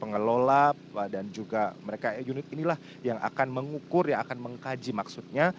pengelola dan juga mereka unit inilah yang akan mengukur yang akan mengkaji maksudnya